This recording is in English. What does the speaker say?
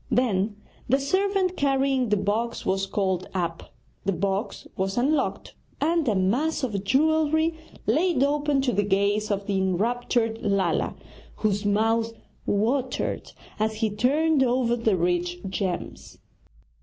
Then the servant carrying the box was called up; the box was unlocked, and a mass of jewellery laid open to the gaze of the enraptured Lala, whose mouth watered as he turned over the rich gems.